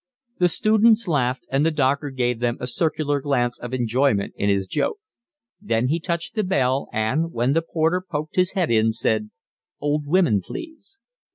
The students laughed, and the doctor gave them a circular glance of enjoyment in his joke. Then he touched the bell and, when the porter poked his head in, said: "Old women, please."